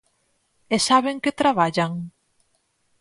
¿E sabe en que traballan?